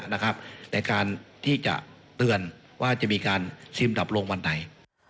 ในการที่จะเตือนว่าจะมีการซิมดับลงวันไหน